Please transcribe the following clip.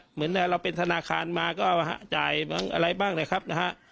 เหมือนเราเป็นธนาคารมาก็จ่ายบ้างอะไรบ้างนะครับนะฮะ